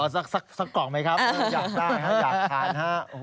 สักกล่องไหมครับอยากได้ฮะอยากทานฮะ